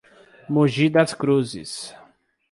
Moji Das Cruzes